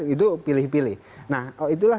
itu pilih pilih nah itulah